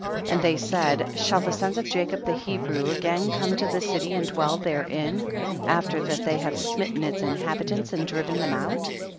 5. And they said, shall the sons of Jacob the Hebrew again come to the city and dwell therein, after that they have smitten its inhabitants and driven them out